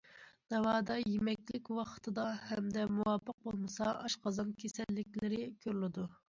ناۋادا يېمەكلىك ۋاقتىدا ھەمدە مۇۋاپىق بولمىسا، ئاشقازان كېسەللىكلىرى كۆرۈلىدۇ.